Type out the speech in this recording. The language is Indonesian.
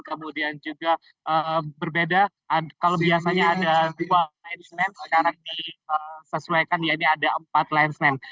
kemudian juga berbeda kalau biasanya ada dua lanceman sekarang disesuaikan ya ini ada empat lanceman